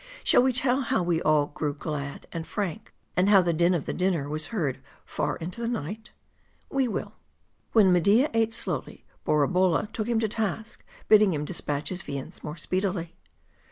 Shall we tell how we all grew glad and frank ; and how the din of the dinner was heard far into night ? We will. When Media ate slowly, Borabolla took him to task, bidding him dispatch his viands more speedily.